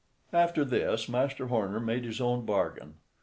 After this, Master Horner made his own bargain.